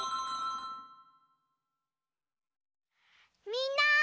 みんな！